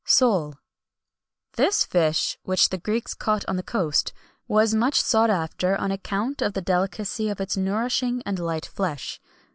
[XXI 194] SOLE. This fish, which the Greeks caught on the coast,[XXI 195] was much sought after on account of the delicacy of its nourishing and light flesh.